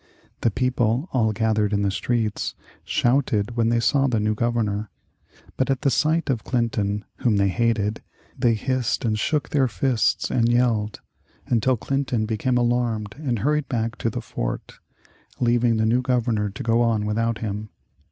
The people, all gathered in the streets, shouted when they saw the new Governor. But at the sight of Clinton, whom they hated, they hissed and shook their fists and yelled, until Clinton became alarmed and hurried back to the fort, leaving the new Governor to go on without him.